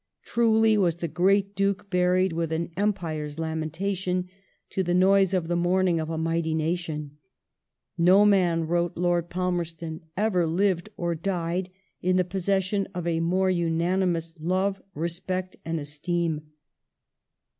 Truly was the great Duke buried " with an Empire's lamentation ";to the noise of the mourning of a mighty nation "." No man," wrote Lord Palmerston, " ever lived or died in the possession of a more unanimous love, respect, and esteem."